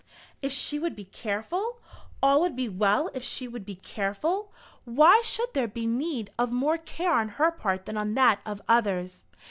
If she would be careful! All would be well if she would be careful! Why should there be need of more care on her part than on that of others?